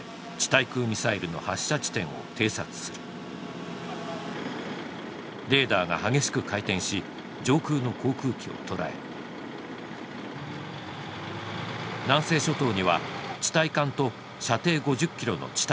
対空ミサイルの発射地点を偵察するレーダーが激しく回転し上空の航空機を捉える南西諸島には地対艦と射程５０キロの地